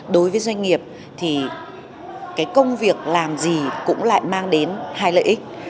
đối với doanh nghiệp thì cái công việc làm gì cũng lại mang đến hai lợi ích